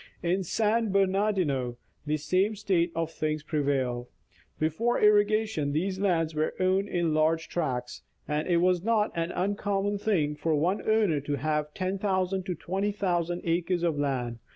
In San Bernardino the same state of things prevails. Before irrigation, these lands were owned in large tracts, and it was not an uncommon thing for one owner to have 10,000 to 20,000 acres of land.